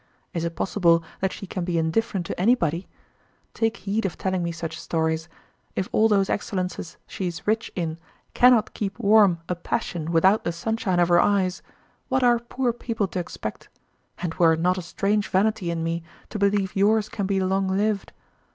Is it possible that she can be indifferent to anybody? Take heed of telling me such stories; if all those excellences she is rich in cannot keep warm a passion without the sunshine of her eyes, what are poor people to expect; and were it not a strange vanity in me to believe yours can be long lived?